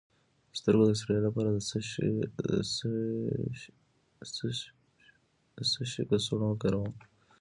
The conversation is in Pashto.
د سترګو د ستړیا لپاره د څه شي کڅوړه وکاروم؟